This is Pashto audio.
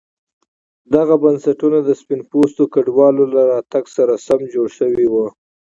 دغه بنسټونه د سپین پوستو کډوالو له راتګ سره سم جوړ شوي وو.